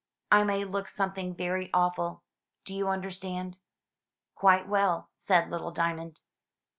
I may look something very awful. Do you understand?" "Quite well," said little Diamond.